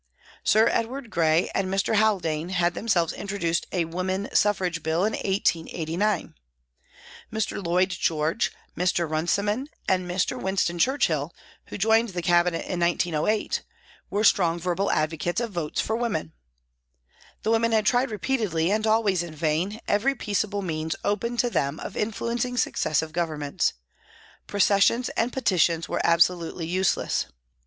Sir Edward Grey and Mr. Haldane had themselves introduced a Woman Suffrage Bill in 1889. Mr. Lloyd George, Mr. Runciman and Mr. Winston Churchill, who joined the Cabinet in 1908, were strong verbal advocates of votes for women. The women had tried repeatedly, and always in vain, every peaceable means open to them of influencing successive Governments. Pro cessions and petitions were absolutely useless.